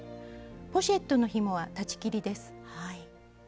ポシェットのひもは裁ち切りです。